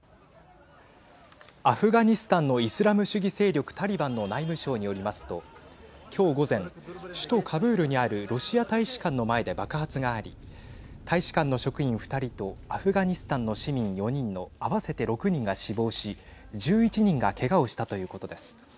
アフガニスタンのイスラム主義勢力タリバンの内務省によりますと今日午前、首都カブールにあるロシア大使館の前で爆発があり大使館の職員２人とアフガニスタンの市民４人の合わせて６人が死亡し１１人がけがをしたということです。